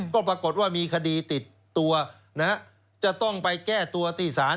ก็ปรากฏว่ามีคดีติดตัวนะครับจะต้องไปแก้ตัวติสาร